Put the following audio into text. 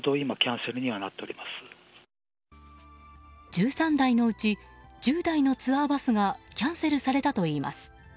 １３台のうち１０台のツアーバスがキャンセルされたといいます。